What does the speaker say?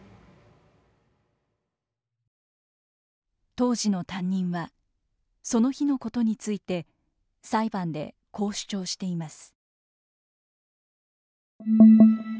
当時の担任はその日のことについて裁判でこう主張しています。